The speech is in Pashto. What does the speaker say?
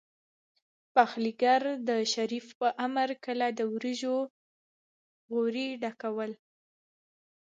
پخليګر د شريف په امر کله د وريجو غوري ډکول.